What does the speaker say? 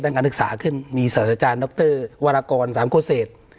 ได้การศึกษาขึ้นมีสาธารณ์ดรวรกร๓โคเศษ